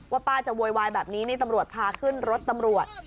ป้าจะโวยวายแบบนี้นี่ตำรวจพาขึ้นรถตำรวจ